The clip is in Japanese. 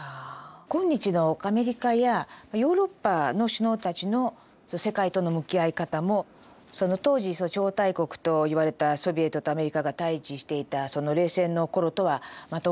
今日のアメリカやヨーロッパの首脳たちの世界との向き合い方もその当時超大国といわれたソビエトとアメリカが対峙していたその冷戦の頃とはまた大きく違うんではないでしょうか？